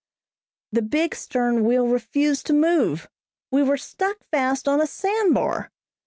The big stern wheel refused to move, we were stuck fast on a sand bar!